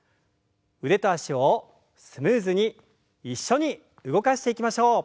腕と脚をスムーズに一緒に動かしていきましょう。